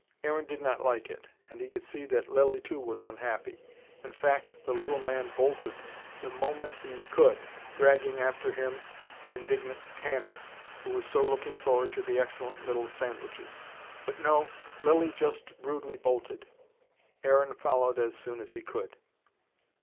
Aaron did not like it. And he could see that Lilly too was unhappy. In fact, the little man bolted the moment he could, dragging after him the indignant Tanny, who was so looking forward to the excellent little sandwiches. But no Lilly just rudely bolted. Aaron followed as soon as he could.